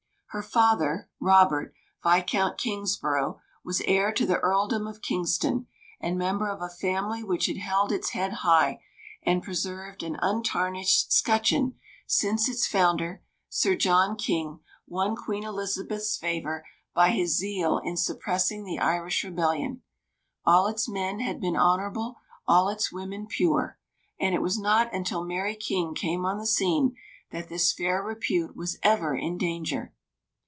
Her father, Robert, Viscount Kingsborough, was heir to the Earldom of Kingston, and member of a family which had held its head high, and preserved an untarnished 'scutcheon since its founder, Sir John King, won Queen Elizabeth's favour by his zeal in suppressing the Irish rebellion. All its men had been honourable, all its women pure; and it was not until Mary King came on the scene that this fair repute was ever in danger.